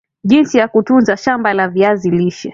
jinsi ya kutunza shamba la viazi lishe